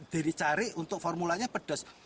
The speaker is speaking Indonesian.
dicari untuk formulanya pedas